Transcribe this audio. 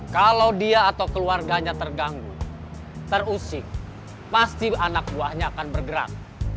kalau dia atau keluarganya terganggu terusik pasti anak buahnya akan bergerak